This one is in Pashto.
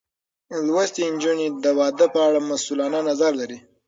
لوستې نجونې د واده په اړه مسؤلانه نظر لري.